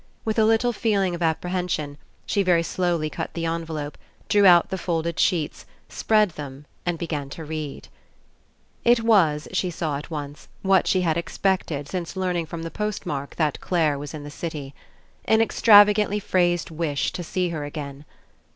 With a lit tle feeling of apprehension, she very slowly cut the envelope, drew out the folded sheets, spread them, and began to read. It was, she saw at once, what she had expected since learning from the postmark that Clare was in the city. An extravagantly 7 PASSING phrased wish to see her again.